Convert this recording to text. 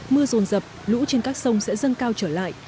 mưa rồn rập lũ trên các sông sẽ dâng cao trở lại